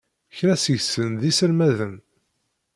Kra seg-sen d iselmaden.